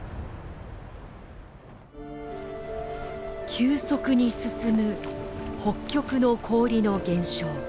急速に進む北極の氷の減少。